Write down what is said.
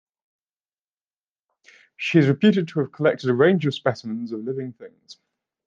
She is reputed to have collected a range of specimens of living things.